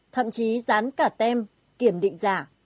thậm chí rán cả tem kiểm định giả